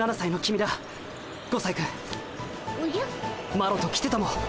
マロと来てたも。